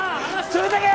連れてけ！